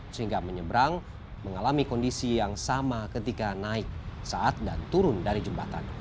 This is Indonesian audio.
sehingga menyeberang mengalami kondisi yang sama ketika naik saat dan turun dari jembatan